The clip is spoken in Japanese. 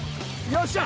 よっしゃ！